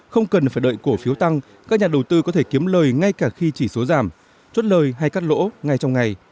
không cần phải đợi cổ phiếu tăng các nhà đầu tư có thể kiếm lời ngay cả khi chỉ số giảm chốt lời hay cắt lỗ ngay trong ngày